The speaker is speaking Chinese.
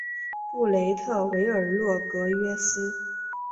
布雷特维尔洛格约斯。